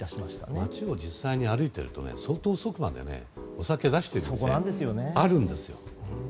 街を実際に歩いてると相当遅くまでお酒出している店あるんですよ。